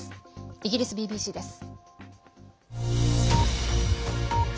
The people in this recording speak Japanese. イギリスＢＢＣです。